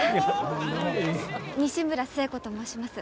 西村寿恵子と申します。